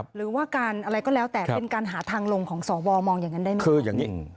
หรือว่าการอะไรก็แล้วแต่เป็นการหาทางลงของสอบวอลมองอย่างนั้นได้ไหม